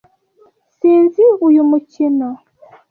Sinzi uyu mukino.